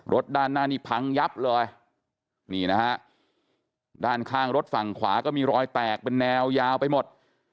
ด้านหน้านี่พังยับเลยนี่นะฮะด้านข้างรถฝั่งขวาก็มีรอยแตกเป็นแนวยาวไปหมด